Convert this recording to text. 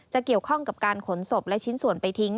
จะเกี่ยวข้องกับการขนศพและชิ้นส่วนไปทิ้ง